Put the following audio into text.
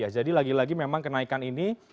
jadi lagi lagi memang kenaikan ini